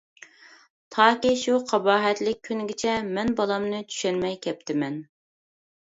تاكى شۇ قاباھەتلىك كۈنگىچە، مەن بالامنى چۈشەنمەي كەپتىمەن.